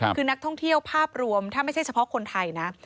คือนักท่องเที่ยวภาพรวมถ้าไม่ใช่เฉพาะคนไทยนะ